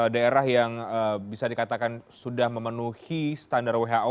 daerah yang bisa dikatakan sudah memenuhi standar who